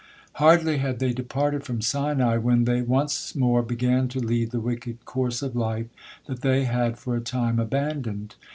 Hardly had they departed from Sinai when they once more began to lead the wicked course of life that they had for a time abandoned.